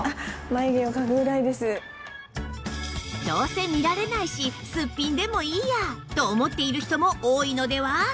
どうせ見られないしスッピンでもいいやと思っている人も多いのでは？